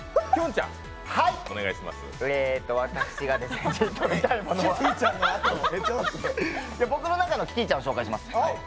私が見たいものは僕の中のキティちゃんを紹介します。